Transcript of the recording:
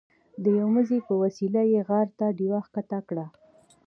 د یوه مزي په وسیله یې غار ته ډیوه ښکته کړه.